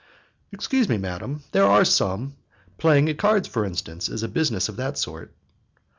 "Excuse me, madam, there are some: playing at cards, for instance, is a business of that sort."